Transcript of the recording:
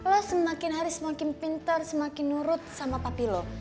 lo semakin hari semakin pintar semakin nurut sama papi lo